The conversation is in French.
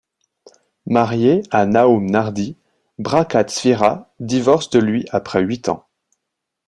Mariée à Nahum Nardi, Bracha Tzfira divorce de lui après huit ans.